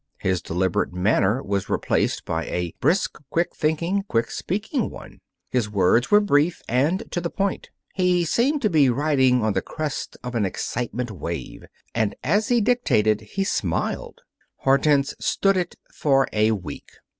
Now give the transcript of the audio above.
His deliberate manner was replaced by a brisk, quick thinking, quick speaking one. His words were brief and to the point. He seemed to be riding on the crest of an excitement wave. And, as he dictated, he smiled. Hortense stood it for a week.